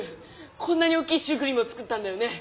こんなに大きいシュークリームを作ったんだよね。